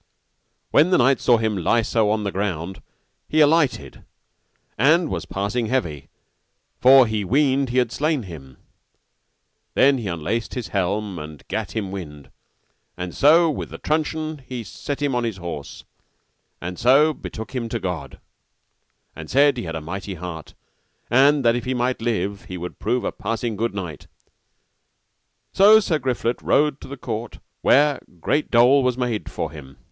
When the knight saw him lie so on the ground, he alighted, and was passing heavy, for he weened he had slain him, and then he unlaced his helm and gat him wind, and so with the truncheon he set him on his horse, and so betook him to God, and said he had a mighty heart, and if he might live he would prove a passing good knight. And so Sir Griflet rode to the court, where great dole was made for him.